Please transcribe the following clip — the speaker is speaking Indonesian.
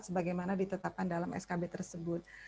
sebagaimana ditetapkan dalam skb tersebut